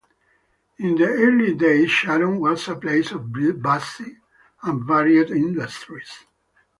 In the early days Sharon was a place of busy and varied industries.